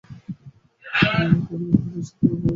তিনি ‘মকরন্দ’ ছদ্মনামে কবিতা লেখা শুরু করেন।